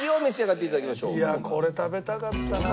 いやこれ食べたかったな。